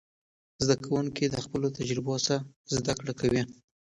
زده کوونکي د خپلو تجربو څخه زده کړه کوي.